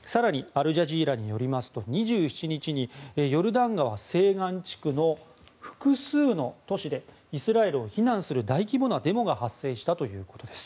更にアルジャジーラによりますと２７日にヨルダン川西岸地区の複数の都市でイスラエルを非難する大規模なデモが発生したということです。